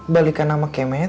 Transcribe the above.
balikan nama kemet